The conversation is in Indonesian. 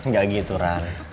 gak gitu ran